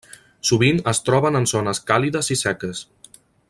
Sovint es troben en zones càlides i seques.